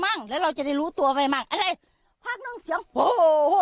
มั่งแล้วเราจะได้รู้ตัวไปมั่งอะไรภาคนั่งเสียงโหโหโห